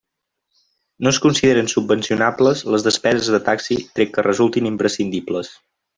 No es consideren subvencionables les despeses de taxi tret que resultin imprescindibles.